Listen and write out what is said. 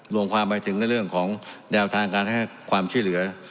รวมความไปถึงในเรื่องของแนวทางการให้ความช่วยเหลือ